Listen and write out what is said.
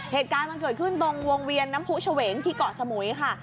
เหตุการณ์มันเกิดขึ้นตรงวงเวียนน้ำผู้เฉวงที่เกาะสมุยค่ะ